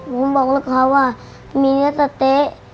ผมบอกละคร๊าวว่ามีเนื่องค์สะเต๊ะ